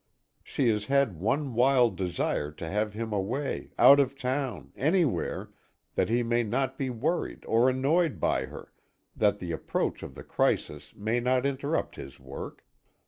She has had one wild desire to have him away, out of town, anywhere, that he may not be worried or annoyed by her; that the approach of the crisis may not interrupt his work.